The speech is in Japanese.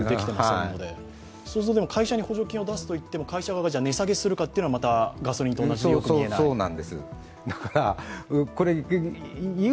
すると、会社に補助金を出すといっても、会社が値下げするかというとまたガソリンと同じでよく見えない。